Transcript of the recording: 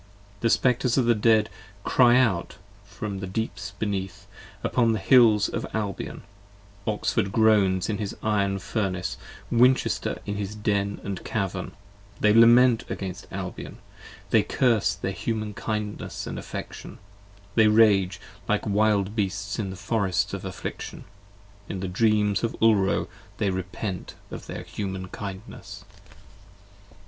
The Spectres of the Dead cry out from the deeps beneath Upon the hills of Albion; Oxford groans in his iron furnace, Winchester in his den & cavern: they lament against 60 Albion; they curse their human kindness & affection, They rage like wild beasts in the forests of affliction, In the dreams of Ulro they repent of their human kindness.